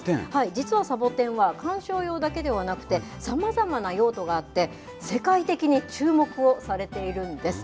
実はサボテンは、観賞用だけではなくて、さまざまな用途があって、世界的に注目をされているんです。